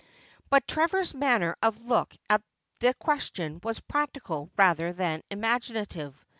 ' But Trevor's manner of look at the question was practical rather than imaginative.